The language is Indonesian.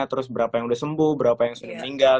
terus berapa yang sudah sembuh berapa yang sudah meninggal